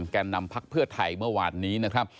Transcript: แก่นำพักเพื่อไทยเมื่อวานนี้นะครับ